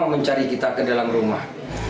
mencari kita ke dalam rumah